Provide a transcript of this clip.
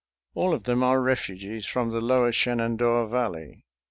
All of them are refugees from the lower Shenandoah Valley.